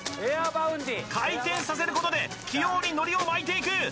エアバウンディ回転させることで器用に海苔を巻いていく！